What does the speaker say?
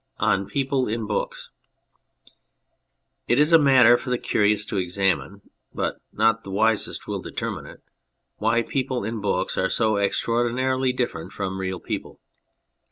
36 ON PEOPLE IN BOOKS IT is a matter for the curious to examine (but not the wisest will determine it) why people in books are so extraordinarily different from real people.